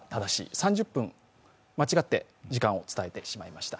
３０分間違って時間を伝えてしまいました。